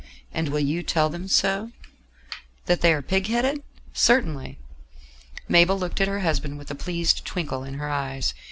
"And you will tell them so?" "That they are pig headed? Certainly." Mabel looked at her husband with a pleased twinkle in her eyes.